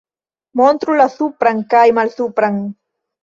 Montru la supran kaj malsupran